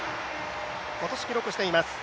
今年記録しています。